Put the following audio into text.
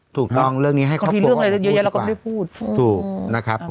ถูกน้องเรื่องนี้ให้เขาพูดกว่าไม่ได้พูดดีกว่า